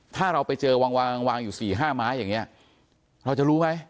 ถ้าเราไปเจอวางวางอยู่๔๕ไม้อย่างนี้เราจะรู้ไหม